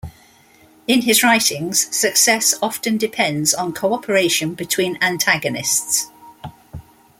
In his writings, success often depends on cooperation between antagonists.